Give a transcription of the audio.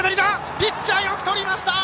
ピッチャー、よくとりました！